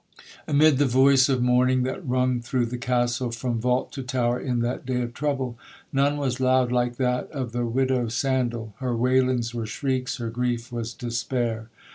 'Amid the voice of mourning that rung through the Castle from vault to tower in that day of trouble, none was loud like that of the widow Sandal—her wailings were shrieks, her grief was despair.